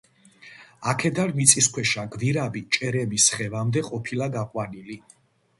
აქედან მიწისქვეშა გვირაბი ჭერემის ხევამდე ყოფილა გაყვანილი.